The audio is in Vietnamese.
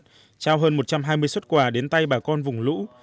trao hơn một trăm hai mươi xuất quà đến tay bà con vùng lũ